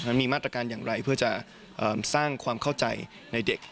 มันมีมาตรการอย่างไรเพื่อจะสร้างความเข้าใจในเด็ก